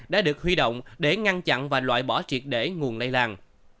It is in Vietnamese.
đã được huy động để ngăn chặn và loại bỏ triệt để nguồn lây lan